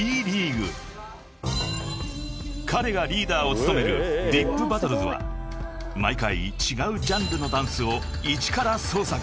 ［彼がリーダーを務めるｄｉｐＢＡＴＴＬＥＳは毎回違うジャンルのダンスを一から創作］